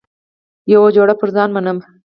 یوه جوړه پر ځان منم.